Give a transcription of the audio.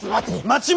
待て。